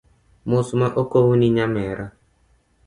Mos ma okowni nyamera